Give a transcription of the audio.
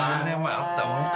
１０年前あったわ。